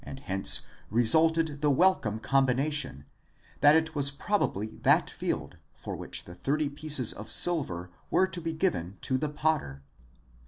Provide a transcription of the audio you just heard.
667 hence resulted the welcome combination, that it was probably that field for which the thirty pieces of silver were to be given to the otter.